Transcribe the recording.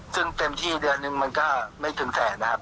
ซึ่งเต็มที่เดือนนึงมันก็ไม่ถึงแสนนะครับ